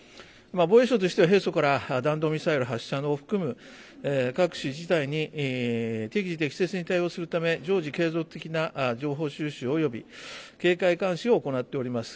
防衛省としては平素から弾道ミサイル発射を含む各種事態に適時適切に対応するため常時継続的な情報収集および警戒監視を行っております。